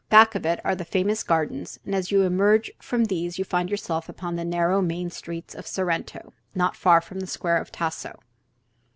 Back of it are the famous gardens, and as you emerge from these you find yourself upon the narrow main street of Sorrento, not far from the Square of Tasso.